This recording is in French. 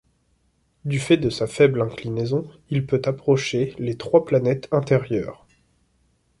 Du fait de sa faible inclinaison, il peut approcher les trois planètes intérieures.